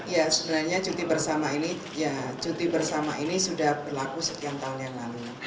ya sebenarnya cuti bersama ini ya cuti bersama ini sudah berlaku sekian tahun yang lalu